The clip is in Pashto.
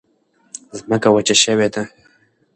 ځمکه وچه شوې ده.